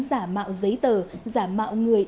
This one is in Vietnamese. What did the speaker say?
giả mạo giấy tờ giả mạo người